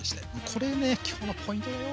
これね今日のポイントだよ。